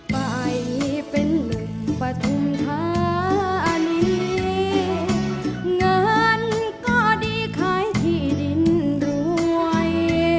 ไปเป็นนุ่มปฐุมธานีเงินก็ดีขายที่ดินรวย